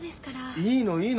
いいのいいの。